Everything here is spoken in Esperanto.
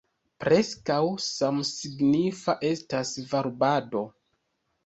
Preskaŭ samsignifa estas varbado.